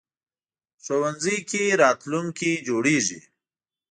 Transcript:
ښوونځی کې راتلونکی جوړېږي